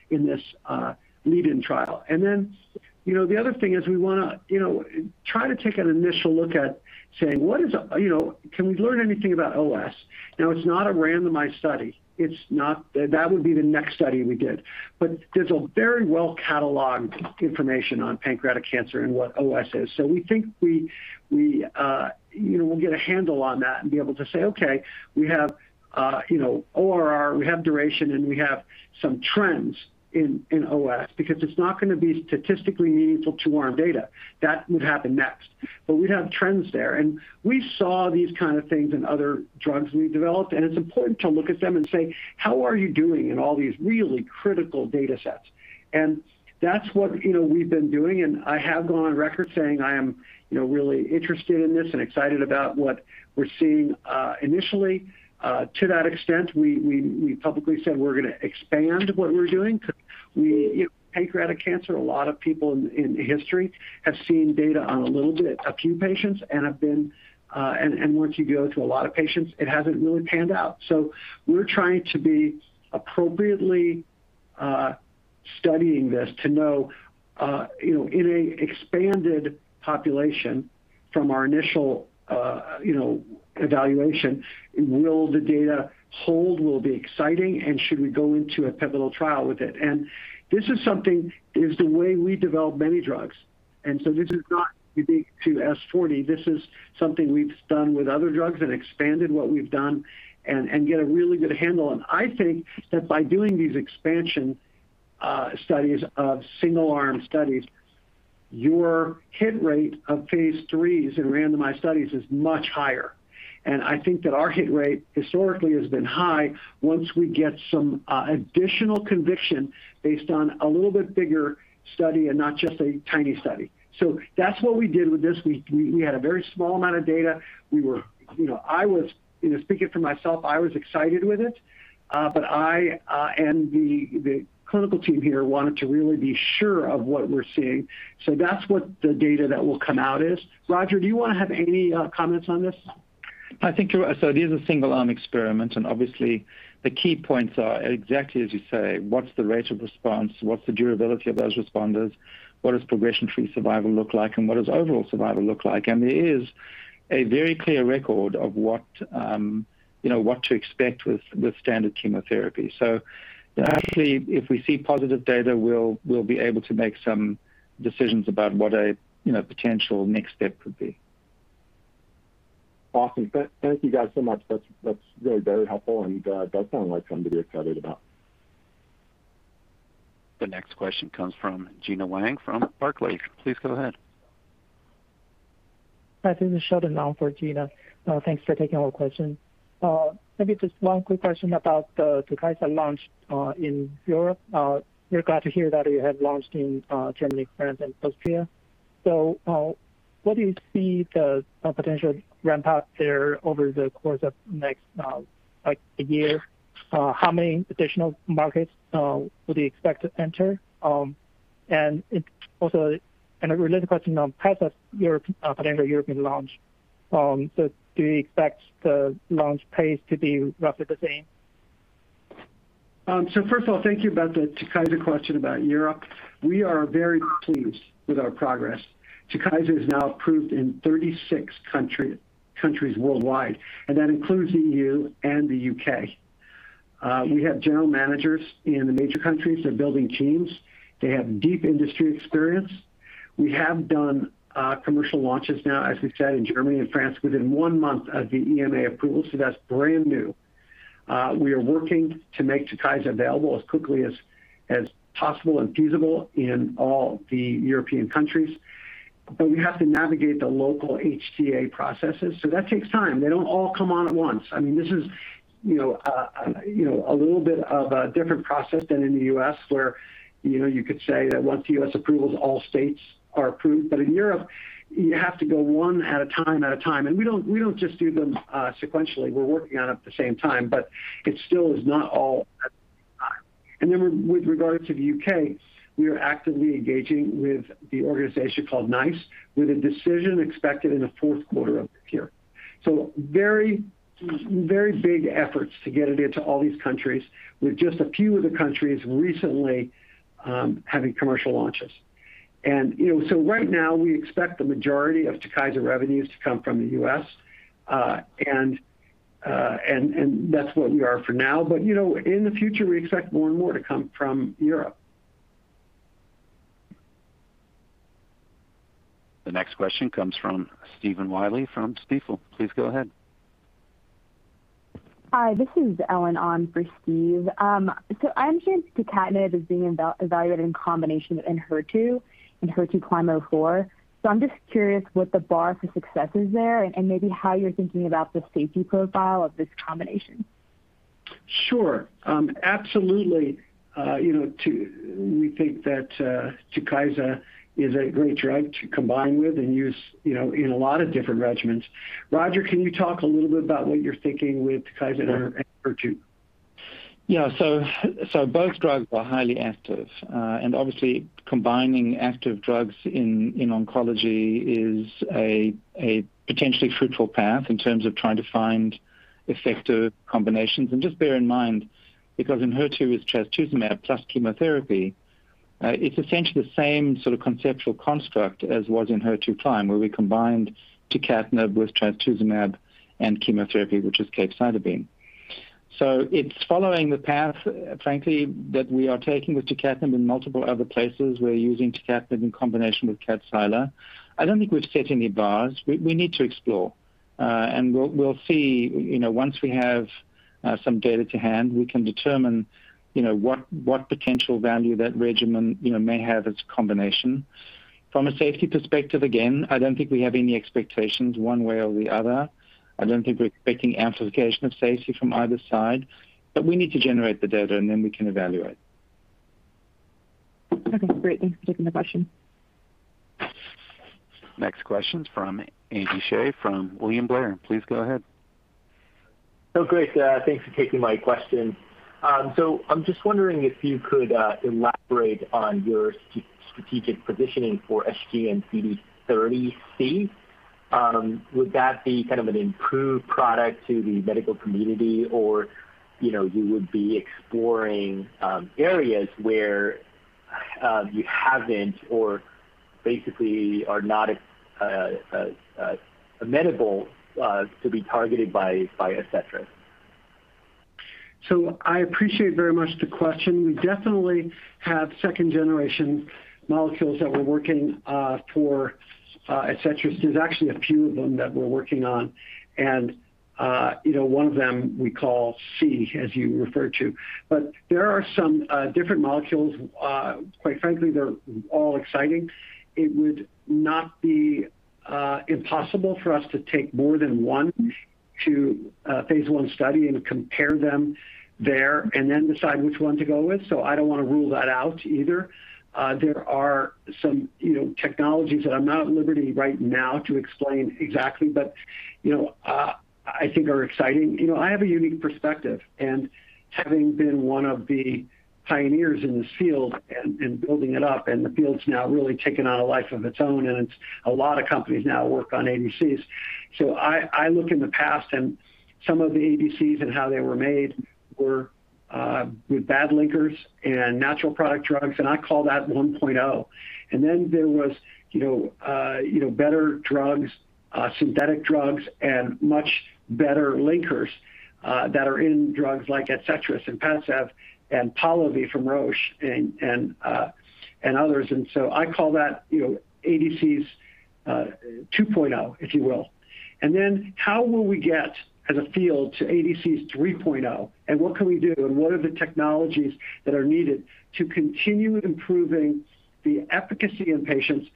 in this lead-in trial. Then, the other thing is we want to try to take an initial look at saying, "Can we learn anything about OS?" It's not a randomized study. That would be the next study we did. There's a very well-cataloged information on pancreatic cancer and what OS is. We think we'll get a handle on that and be able to say, "Okay, we have ORR, we have duration, and we have some trends in OS." Because it's not going to be statistically meaningful to our data. That would happen next. We'd have trends there. We saw these kind of things in other drugs we've developed, and it's important to look at them and say, "How are you doing in all these really critical data sets?" That's what we've been doing, and I have gone on record saying I am really interested in this and excited about what we're seeing initially. To that extent, we publicly said we're going to expand what we're doing because pancreatic cancer, a lot of people in history have seen data on a little bit, a few patients. Once you go to a lot of patients, it hasn't really panned out. We're trying to be appropriately studying this to know, in a expanded population from our initial evaluation, will the data hold, will it be exciting, and should we go into a pivotal trial with it? This is something, is the way we develop many drugs. This is not unique to S-40. This is something we've done with other drugs and expanded what we've done and get a really good handle on. I think that by doing these expansion studies of single-arm studies, your hit rate of phase IIIs in randomized studies is much higher. I think that our hit rate historically has been high once we get some additional conviction based on a little bit bigger study and not just a tiny study. That's what we did with this. We had a very small amount of data. Speaking for myself, I was excited with it. I, and the clinical team here, wanted to really be sure of what we're seeing. That's what the data that will come out is. Roger, do you want to have any comments on this? I think you are. These are single arm experiments, obviously the key points are exactly as you say. What's the rate of response, what's the durability of those responders? What does progression-free survival look like, what does overall survival look like? There is a very clear record of what to expect with standard chemotherapy. Yeah. Actually, if we see positive data, we'll be able to make some decisions about what a potential next step could be. Awesome. Thank you guys so much. That's really very helpful and does sound like something to be excited about. The next question comes from Gena Wang from Barclays. Please go ahead. Hi, this is Sheldon Chuan for Gena. Thanks for taking our question. Maybe just one quick question about the TUKYSA launch in Europe. We're glad to hear that you have launched in Germany, France and Austria. What do you see the potential ramp up there over the course of next, like a year? How many additional markets do you expect to enter? A related question on path of potential European launch. Do you expect the launch pace to be roughly the same? First of all, thank you about the TUKYSA question about Europe. We are very pleased with our progress. TUKYSA is now approved in 36 countries worldwide, and that includes the E.U. and the U.K. We have general managers in the major countries. They're building teams. They have deep industry experience. We have done commercial launches now, as we've said, in Germany and France within one month of the EMA approval. That's brand new. We are working to make TUKYSA available as quickly as possible and feasible in all the European countries. We have to navigate the local HTA processes, so that takes time. They don't all come on at once. This is a little bit of a different process than in the U.S. where you could say that once the U.S. approves, all states are approved. In Europe, you have to go one at a time. We don't just do them sequentially. We're working on it at the same time, but it still is not all at the same time. With regard to the U.K., we are actively engaging with the organization called NICE with a decision expected in the fourth quarter of this year. Very big efforts to get it into all these countries with just a few of the countries recently having commercial launches. Right now we expect the majority of TUKYSA revenues to come from the U.S., and that's what we are for now. In the future, we expect more and more to come from Europe. The next question comes from Stephen Willey from Stifel. Please go ahead. Hi, this is Ellen on for Steve. I understand tucatinib is being evaluated in combination with ENHERTU and HER2CLIMB-04. I'm just curious what the bar for success is there and maybe how you're thinking about the safety profile of this combination. Sure. Absolutely. We think that TUKYSA is a great drug to combine with and use in a lot of different regimens. Roger, can you talk a little bit about what you're thinking with TUKYSA and ENHERTU? Yeah. Both drugs are highly active. Obviously combining active drugs in oncology is a potentially fruitful path in terms of trying to find effective combinations. Just bear in mind, because ENHERTU is trastuzumab plus chemotherapy, it's essentially the same sort of conceptual construct as was HER2CLIMB, where we combined tucatinib with trastuzumab and chemotherapy, which is capecitabine. It's following the path, frankly, that we are taking with tucatinib in multiple other places. We're using tucatinib in combination with KADCYLA. I don't think we've set any bars. We need to explore. We'll see, once we have some data to hand, we can determine what potential value that regimen may have as a combination. From a safety perspective, again, I don't think we have any expectations one way or the other. I don't think we're expecting amplification of safety from either side. We need to generate the data, and then we can evaluate. Okay, great. Thanks for taking the question. Next question's from Andy Hsieh from William Blair. Please go ahead. Oh, great. Thanks for taking my question. I'm just wondering if you could elaborate on your strategic positioning for SGN-35C? Would that be kind of an improved product to the medical community? You would be exploring areas where you haven't or basically are not amenable to be targeted by ADCETRIS? I appreciate very much the question. We definitely have second generation molecules that we're working for ADCETRIS. There's actually a few of them that we're working on, and one of them we call C, as you referred to. There are some different molecules, quite frankly, they're all exciting. It would not be impossible for us to take more than one to phase I study and compare them there and then decide which one to go with. I don't want to rule that out either. There are some technologies that I'm not at liberty right now to explain exactly, but I think are exciting. I have a unique perspective and having been one of the pioneers in this field and building it up, and the field's now really taken on a life of its own, and it's a lot of companies now work on ADCs. I look in the past and some of the ADCs and how they were made were with bad linkers and natural product drugs, and I call that 1.0. There was better drugs, synthetic drugs and much better linkers, that are in drugs like ADCETRIS and PADCEV and POLIVY from Roche and others. I call that ADCs 2.0, if you will. How will we get as a field to ADCs 3.0 and what can we do, and what are the technologies that are needed to continue improving the efficacy in patients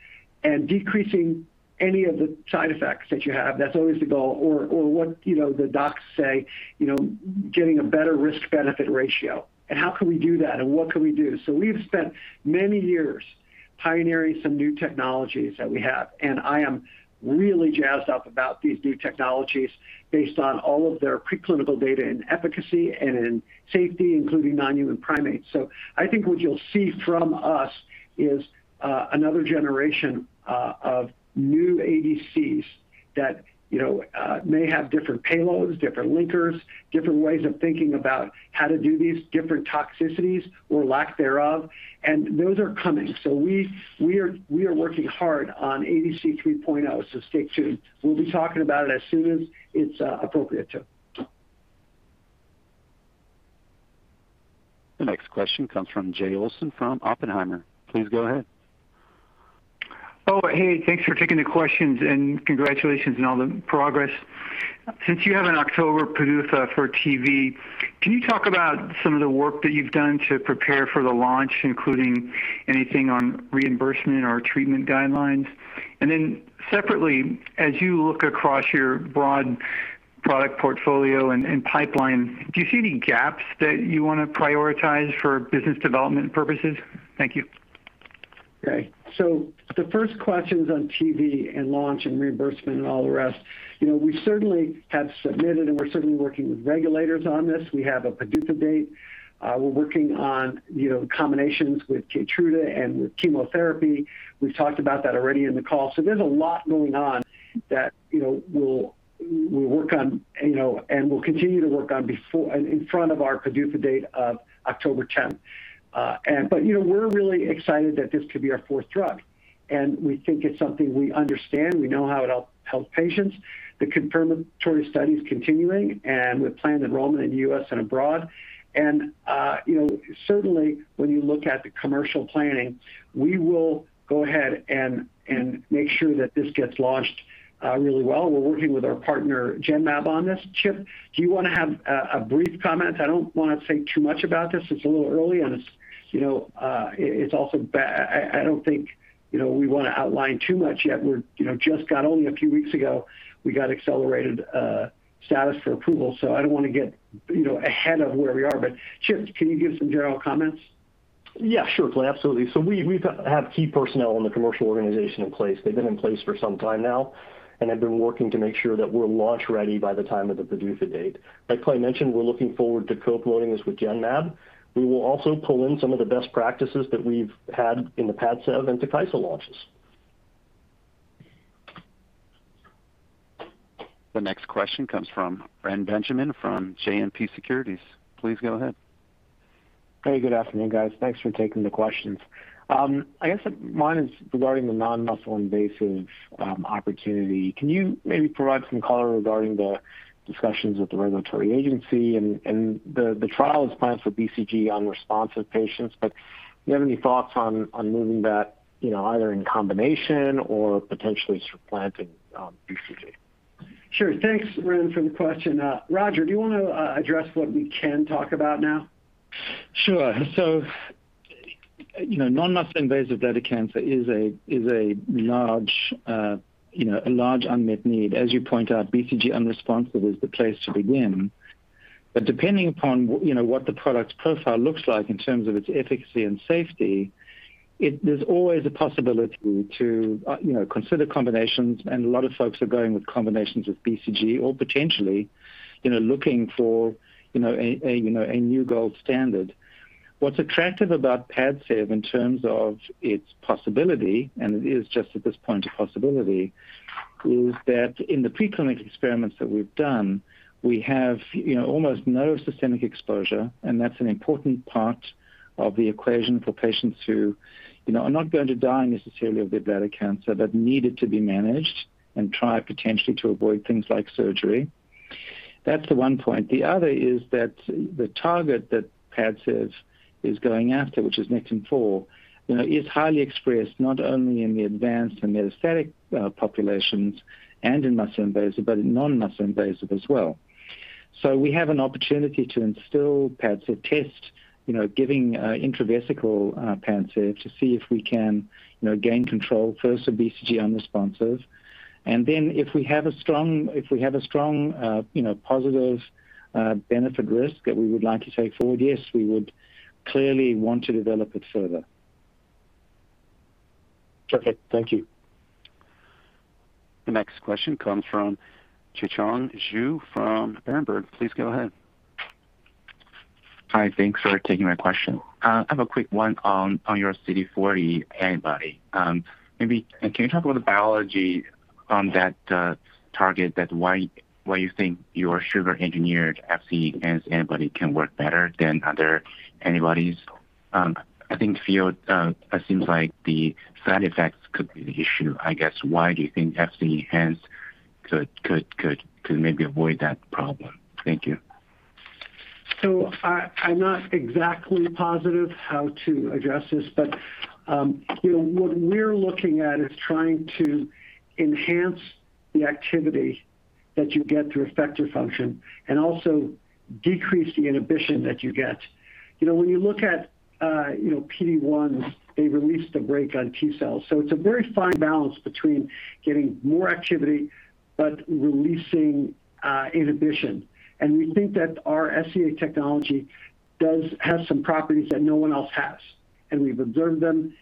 and decreasing any of the side effects that you have? That's always the goal. What the docs say, getting a better risk-benefit ratio and how can we do that and what can we do? We've spent many years pioneering some new technologies that we have, and I am really jazzed up about these new technologies based on all of their preclinical data in efficacy and in safety, including non-human primates. I think what you'll see from us is another generation of new ADCs that may have different payloads, different linkers, different ways of thinking about how to do these different toxicities or lack thereof. Those are coming. We are working hard on ADC 3.0, so stay tuned. We'll be talking about it as soon as it's appropriate to. The next question comes from Jay Olson from Oppenheimer. Please go ahead. Oh, hey, thanks for taking the questions and congratulations on all the progress. Since you have an October PDUFA for TV, can you talk about some of the work that you've done to prepare for the launch, including anything on reimbursement or treatment guidelines? Separately, as you look across your broad product portfolio and pipeline, do you see any gaps that you want to prioritize for business development purposes? Thank you. Okay, the first question's on TV and launch and reimbursement and all the rest. We certainly have submitted, and we're certainly working with regulators on this. We have a PDUFA date. We're working on combinations with KEYTRUDA and with chemotherapy. We've talked about that already in the call. There's a lot going on that we'll work on, and we'll continue to work on in front of our PDUFA date of October 10th. We're really excited that this could be our fourth drug, and we think it's something we understand. We know how it helps patients. The confirmatory study is continuing and with planned enrollment in the U.S. and abroad. Certainly when you look at the commercial planning, we will go ahead and make sure that this gets launched really well. We're working with our partner Genmab on this. Chip, do you want to have a brief comment? I don't want to say too much about this. It's a little early and it's also bad. I don't think we want to outline too much yet. We just got only a few weeks ago, we got accelerated status for approval. I don't want to get ahead of where we are. Chip, can you give some general comments? Yeah, sure, Clay. Absolutely. We have key personnel in the commercial organization in place. They've been in place for some time now and have been working to make sure that we're launch ready by the time of the PDUFA date. Like Clay mentioned, we're looking forward to co-promoting this with Genmab. We will also pull in some of the best practices that we've had in the PADCEV and TUKYSA launches. The next question comes from Reni Benjamin from JMP Securities. Please go ahead. Hey, good afternoon, guys. Thanks for taking the questions. I guess mine is regarding the non-muscle invasive opportunity. Can you maybe provide some color regarding the discussions with the regulatory agency and the trials plans for BCG unresponsive patients? Do you have any thoughts on moving that either in combination or potentially supplanting BCG? Sure. Thanks, Reni, for the question. Roger, do you want to address what we can talk about now? Sure. Non-muscle invasive bladder cancer is a large unmet need. As you point out, BCG unresponsive is the place to begin. Depending upon what the product's profile looks like in terms of its efficacy and safety, there's always a possibility to consider combinations, and a lot of folks are going with combinations with BCG or potentially looking for a new gold standard. What's attractive about PADCEV in terms of its possibility, and it is just at this point a possibility is that in the preclinical experiments that we've done, we have almost no systemic exposure, and that's an important part of the equation for patients who are not going to die necessarily of their bladder cancer, but need it to be managed and try potentially to avoid things like surgery. That's the one point. The other is that the target that PADCEV is going after, which is Nectin-4, is highly expressed not only in the advanced and metastatic populations and in muscle invasive, but in non-muscle invasive as well. We have an opportunity to instill PADCEV test, giving intravesical PADCEV to see if we can gain control first of BCG unresponsive. If we have a strong positive benefit risk that we would like to take forward, yes, we would clearly want to develop it further. Perfect. Thank you. The next question comes from Zhihong Yu from Berenberg. Please go ahead. Hi, thanks for taking my question. I have a quick one on your CD40 antibody. Maybe can you talk about the biology on that target? Why you think your sugar-engineered Fc-enhanced antibody can work better than other antibodies? I think field, it seems like the side effects could be the issue, I guess. Why do you think Fc-enhanced could maybe avoid that problem? Thank you. I'm not exactly positive how to address this, but what we're looking at is trying to enhance the activity that you get through effector function, and also decrease the inhibition that you get. When you look at PD-1s, they release the brake on T cells. It's a very fine balance between getting more activity but releasing inhibition. We think that our SEA technology does have some properties that no one else has. We've observed them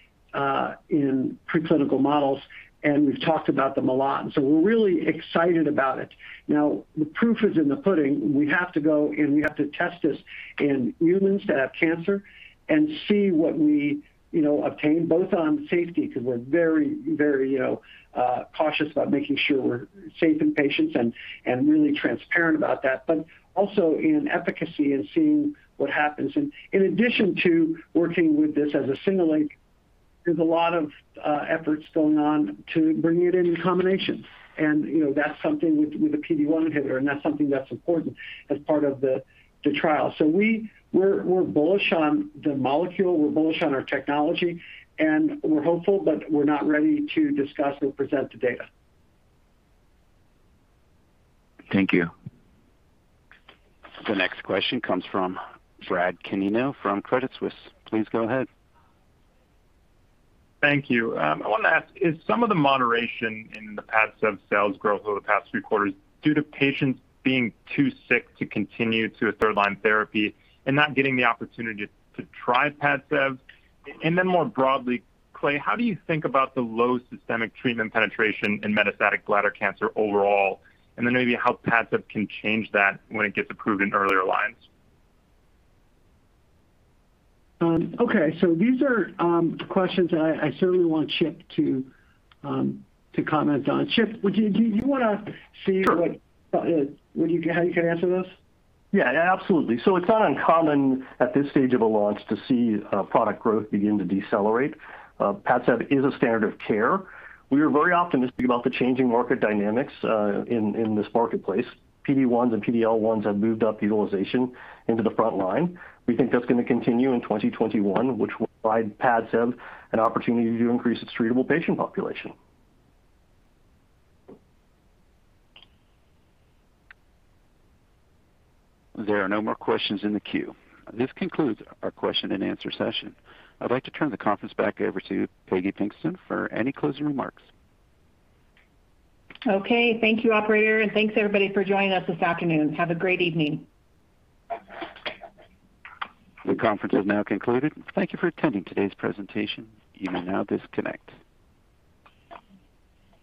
in preclinical models, and we've talked about them a lot, and so we're really excited about it. Now, the proof is in the pudding. We have to go and we have to test this in humans that have cancer and see what we obtain, both on safety, because we're very cautious about making sure we're safe in patients and really transparent about that, but also in efficacy and seeing what happens. In addition to working with this as a single agent, there's a lot of efforts going on to bring it in combination. That's something with a PD-1 inhibitor, and that's something that's important as part of the trial. We're bullish on the molecule, we're bullish on our technology, and we're hopeful, but we're not ready to discuss or present the data. Thank you. The next question comes from Brad Canino from Credit Suisse. Please go ahead. Thank you. I wanted to ask, is some of the moderation in the PADCEV sales growth over the past three quarters due to patients being too sick to continue to a third-line therapy and not getting the opportunity to try PADCEV? More broadly, Clay, how do you think about the low systemic treatment penetration in metastatic bladder cancer overall, and then maybe how PADCEV can change that when it gets approved in earlier lines? Okay, these are questions that I certainly want Chip to comment on. Chip, do you want to see? Sure. How you can answer this? Yeah, absolutely. It's not uncommon at this stage of a launch to see product growth begin to decelerate. PADCEV is a standard of care. We are very optimistic about the changing market dynamics in this marketplace. PD-1s and PD-L1s have moved up utilization into the front line. We think that's going to continue in 2021, which will provide PADCEV an opportunity to increase its treatable patient population. There are no more questions in the queue. This concludes our question-and-answer session. I'd like to turn the conference back over to Peggy Pinkston for any closing remarks. Okay, thank you, operator. Thanks everybody for joining us this afternoon. Have a great evening. The conference is now concluded. Thank you for attending today's presentation. You may now disconnect.